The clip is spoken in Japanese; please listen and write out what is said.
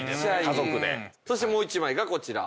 そしてもう１枚がこちら。